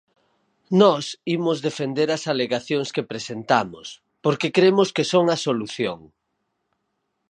Nós imos defender as alegacións que presentamos, porque cremos que son a solución.